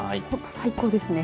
最高ですね。